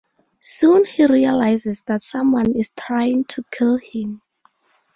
Soon he realizes that someone is trying to kill him.